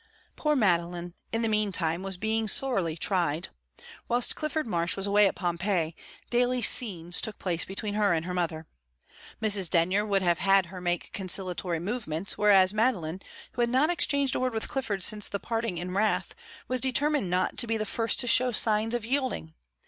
Poor Madeline, in the meantime, was being sorely tried. Whilst Clifford Marsh was away at Pompeii, daily "scenes" took place between her and her mother. Mrs. Denyer would have had her make conciliatory movements, whereas Madeline, who had not exchanged a word with Clifford since the parting in wrath, was determined not to be the first to show signs of yielding.